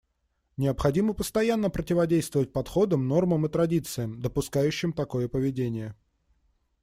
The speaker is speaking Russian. Необходимо постоянно противодействовать подходам, нормам и традициям, допускающим такое поведение.